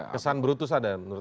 kesan brutus ada menurut